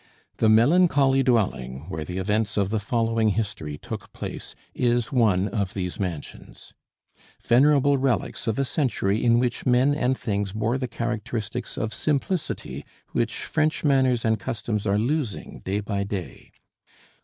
The melancholy dwelling where the events of the following history took place is one of these mansions, venerable relics of a century in which men and things bore the characteristics of simplicity which French manners and customs are losing day by day.